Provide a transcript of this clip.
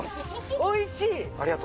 おいしい！